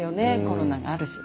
コロナがあるし。